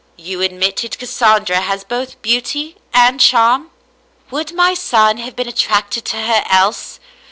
" You admitted Cassandra has both beauty and charm ? "Would my son have been attracted to her else?